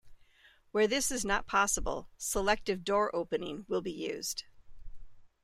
Where this is not possible, selective door opening will be used.